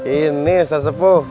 ini ustadz sepuh